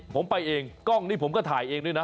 ผมไปเองกล้องนี้ผมก็ถ่ายเองด้วยนะ